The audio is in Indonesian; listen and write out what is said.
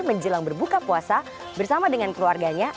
menjelang berbuka puasa bersama dengan keluarganya